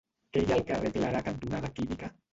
Què hi ha al carrer Clarà cantonada Química?